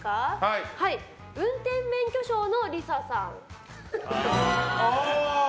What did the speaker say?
運転免許証のＬｉＳＡさん。